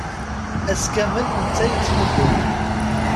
Ass kamel netta yettnuddum.